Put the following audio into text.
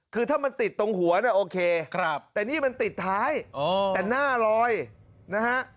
คือถ้ามันติดตรงหัวเนี่ยโอเคแต่นี่มันติดท้ายแต่หน้าลอยนะฮะ